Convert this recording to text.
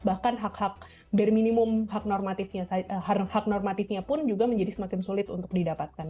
bahkan hak hak dari minimum hak normatifnya pun juga menjadi semakin sulit untuk didapatkan